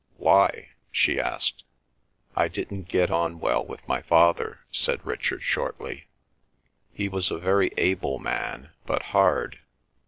"Why?" she asked. "I didn't get on well with my father," said Richard shortly. "He was a very able man, but hard.